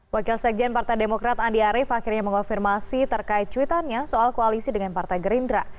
wakil sekjen partai demokrat andi arief akhirnya mengonfirmasi terkait cuitannya soal koalisi dengan partai gerindra